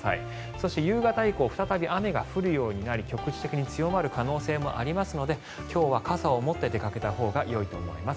そして、夕方以降再び雨が降るようになり局地的に強まる恐れがありますので今日は傘を持って出かけたほうがいいと思います。